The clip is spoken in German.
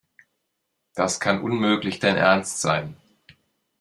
Das kann unmöglich dein Ernst sein.